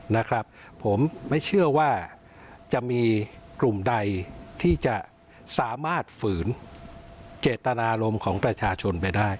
นะครับผมไม่เชื่อว่าจะมีกลุ่มใดที่จะสามารถฝืนเจตนารมณ์ของประชาชนไปได้